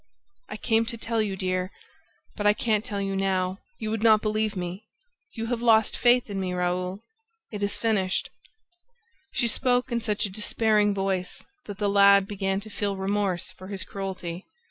"I came to tell you, dear, but I can't tell you now ... you would not believe me! You have lost faith in me, Raoul; it is finished!" She spoke in such a despairing voice that the lad began to feel remorse for his cruelty.